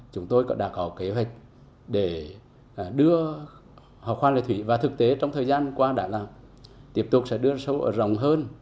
chúng tôi đã có kế hoạch để đưa hò khoan lệ thủy và thực tế trong thời gian qua đà lạt tiếp tục sẽ đưa sâu ở rộng hơn